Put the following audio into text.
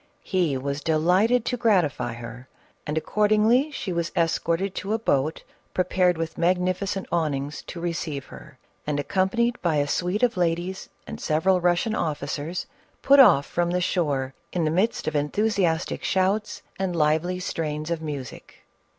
He was delighted to gratify her, and accordingly she was escorted to a boat prepared with magnificent awnings to receive her, and, accompanied by a suite of ladies and several Russian officers, put off from the shore in the midst of enthu siastic shouts and lively strains of music.